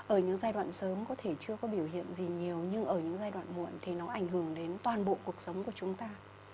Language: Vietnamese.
ở những giai đoạn sớm có thể chưa có biểu hiện gì nhiều nhưng ở những giai đoạn muộn thì nó ảnh hưởng đến toàn bộ cuộc sống của chúng ta